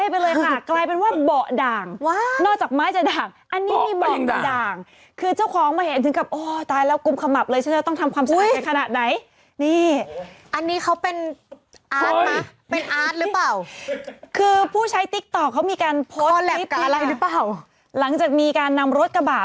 เบาะด่างก็มานึกว่าไปเล่นสงครานมาพระท่านจุมผิดขันจากน้ำมน